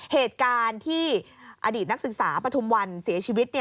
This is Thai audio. เหตุการณ์ที่อดีตนักศึกษาปฐุมวันเสียชีวิต